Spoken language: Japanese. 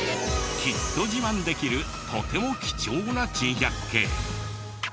きっと自慢できるとても貴重な珍百景。